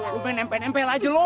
lu pengen nempel nempel aja lu